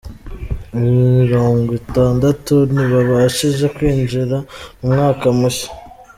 mirongwitandatu ntibabashije kwinjira mu mwaka mushya